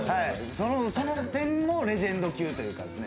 その点もレジェンド級というか。